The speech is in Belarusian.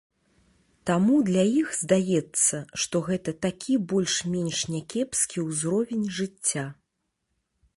Таму для іх здаецца, што гэта такі больш-менш някепскі ўзровень жыцця.